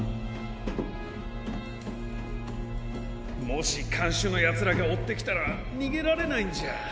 もしかんしゅのヤツらがおってきたらにげられないんじゃ。